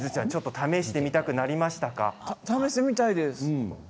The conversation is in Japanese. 試してみたいです。